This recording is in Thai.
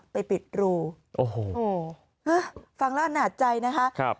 ไปปิดรูโอ้โหฮะฟังแล้วอนาจใจนะคะครับ